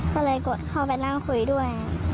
ก็เลยกดเข้าไปนั่งคุยด้วย